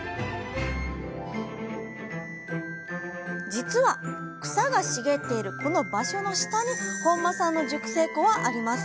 実は草が茂っているこの場所の下に本間さんの熟成庫はあります。